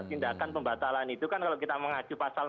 tindakan pembatalan itu kan kalau kita mengacu pasal enam puluh enam